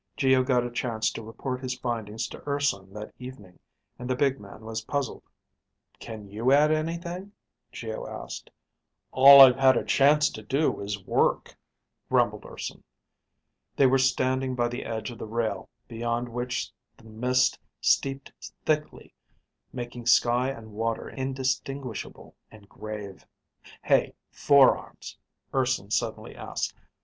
Geo got a chance to report his findings to Urson that evening and the big man was puzzled. "Can you add anything?" Geo asked. "All I've had a chance to do is work," grumbled Urson. They were standing by the edge of the rail beyond which the mist steeped thickly, making sky and water indistinguishable and grave. "Hey, Four arms," Urson suddenly asked.